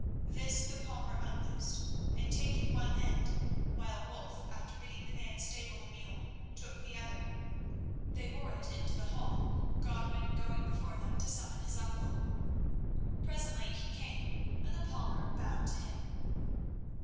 This the palmer unloosed, and taking one end, while Wulf, after bidding the man stable the mule, took the other, they bore it into the hall, Godwin going before them to summon his uncle. Presently he came and the palmer bowed to him.